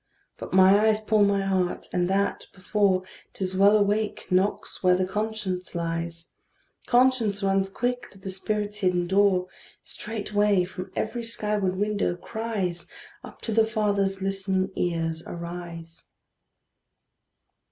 But my eyes pull my heart, and that, before 'Tis well awake, knocks where the conscience lies; Conscience runs quick to the spirit's hidden door: Straightway, from every sky ward window, cries Up to the Father's listening ears arise.